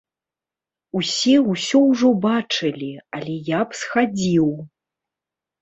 Усе ўсё ўжо бачылі, але я б схадзіў.